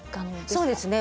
そうですね。